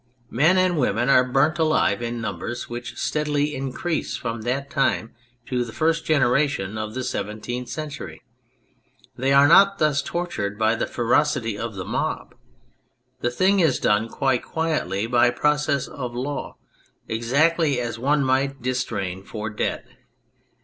Men and women are burnt alive in numbers which steadily increase from that time to the first generation of the Seventeenth Century. They are not thus tortured by the ferocity of the mob. The thing is done quite quietly by process of law, exactly as one might distrain for debt.